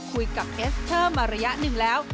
คุยกับเอสเตอร์มาระยะหนึ่งแล้ว